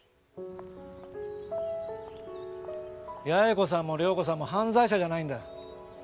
八重子さんも遼子さんも犯罪者じゃないんだ。